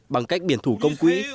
bằng cách biển thủ công quy